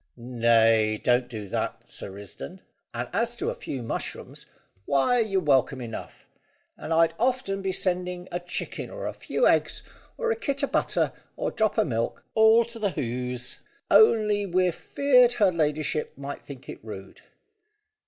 "Nay, don't do that, Sir Risdon; and as to a few mushrooms, why, you're welcome enough; and I'd often be sending a chicken or a few eggs, or a kit o' butter, or drop o' milk, all to the Hoze, only we're feared her ladyship might think it rude."